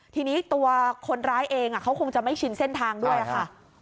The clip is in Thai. ทีนี้ตัวคนร้ายเองเขาคงจะไม่ชินเส้นทางด้วยค่ะ